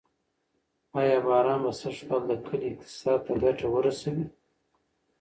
آیا باران به سږکال د کلي اقتصاد ته ګټه ورسوي؟